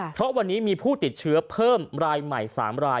เพราะวันนี้มีผู้ติดเชื้อเพิ่มรายใหม่๓ราย